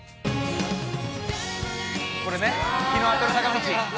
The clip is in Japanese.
これね、「陽の当たる坂道」